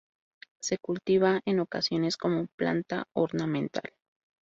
Se cultiva en ocasiones como planta ornamental.